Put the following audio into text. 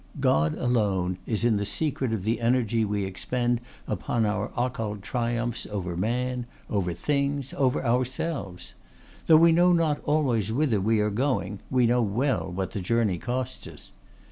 God alone is in the secret of the energy we expend upon our occult triumphs over man, over things, over ourselves. Though we know not always whither we are going we know well what the journey costs us.